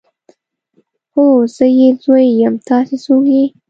هو زه يې زوی يم تاسې څوک يئ.